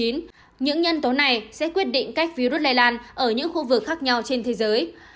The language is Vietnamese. những nhân tố này sẽ quyết định cách virus lây lan ở những khu vực khác nhau trên thế giới